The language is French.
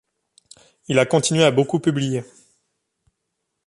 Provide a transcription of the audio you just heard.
Il a continué à beaucoup publier.